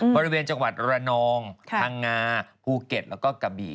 บริเวณจังหวัดระนองพังงาภูเก็ตแล้วก็กะบี่